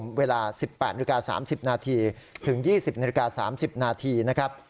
เรียนเวลา๑๘นาที่๓๐นาทีถึง๒๐นาที๓๐นาที